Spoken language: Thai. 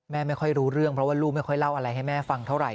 ไม่ค่อยรู้เรื่องเพราะว่าลูกไม่ค่อยเล่าอะไรให้แม่ฟังเท่าไห